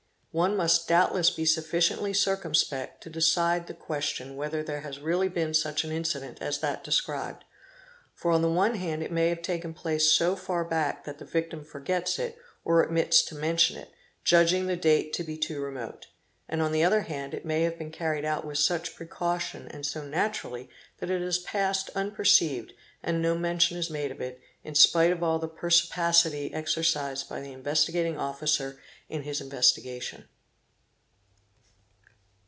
One must doubtless be sufficiently circumspect to decide the question whether there _ has really been such an incident as that described, for on the one hand _ it may have taken place so far back that the victim forgets it or omits to mention it, judging the date to be too remote; and on the other hand it may have been carried out with such precaution and so naturally that it has passed unperceived and no mention is made of it, in spite of all the perspicacity exercised by the Investigating Officer in his interro — gation.